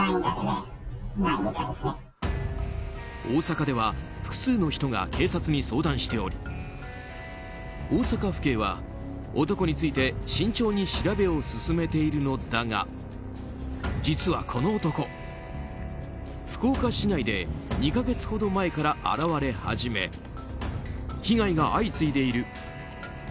大阪では複数の人が警察に相談しており大阪府警は男について慎重に調べを進めているのだが実はこの男、福岡市内で２か月ほど前から現れ始め被害が相次いでいる。